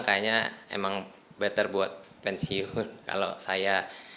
kayaknya emang better buat pensiun kalau saya